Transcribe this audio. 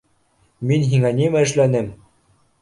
— Мин һиңә нимә эшләнем?